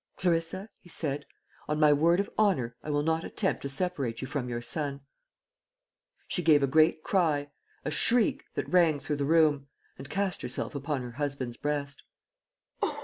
"Clarissa," he said, "on my word of honour, I will not attempt to separate you from your son." She gave a great cry a shriek, that rang through the room and cast herself upon her husband's breast.